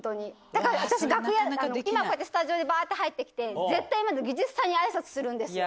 だから私、今こうやってスタジオにばーって入ってきて、絶対にまず技術さんにあいさつするんですよ。